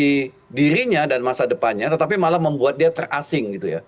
dari dirinya dan masa depannya tetapi malah membuat dia terasing gitu ya